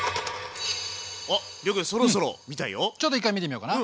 ちょっと１回見てみようかな？